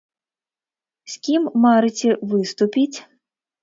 З кім марыце выступіць?